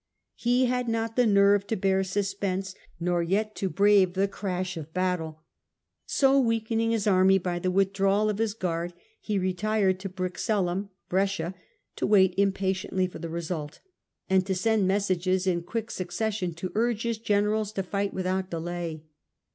He had not the nerve to bear suspense nor yet to brave the crash of battle. So weakening his army by the withdrawal of his guard, he retired to Brixellum (Brescia), to wait impatiently for the result, and to send messages in quick succession to urge his generals to fight without delay.